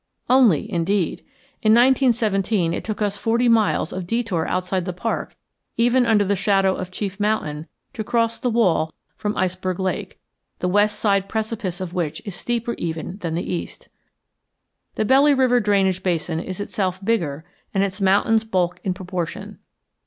"Only," indeed! In 1917 it took us forty miles of detour outside the park, even under the shadow of Chief Mountain, to cross the wall from Iceberg Lake, the west side precipice of which is steeper even than the east. The Belly River drainage basin is itself bigger, and its mountains bulk in proportion.